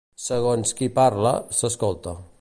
Segons qui parla, s'escolta.